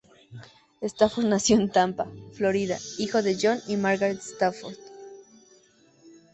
Stafford nació en Tampa, Florida, hijo de John y Margaret Stafford.